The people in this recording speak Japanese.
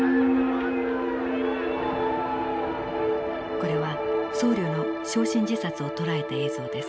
これは僧侶の焼身自殺をとらえた映像です。